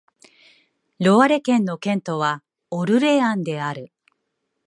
ロワレ県の県都はオルレアンである